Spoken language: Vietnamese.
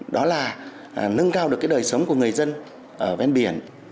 đó là nâng cao được cái đời sống của người dân ở ven biển